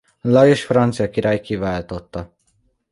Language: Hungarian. Lajos francia király kiváltotta.